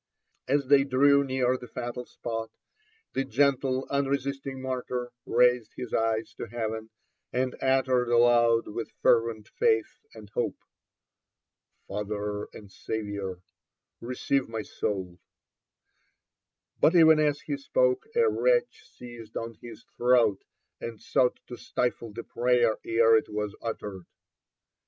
As they drew near the fatal spot, the gentle unresisting martyr raised his eyes to heaven, and> uttered aloud with fervent faith and hope, "Father and Saviour 1 receive my soul I " But even as he spoke a wretch seized on his throat, and sought to stifle the prayer ere it was uttered.